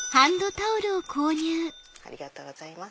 ありがとうございます。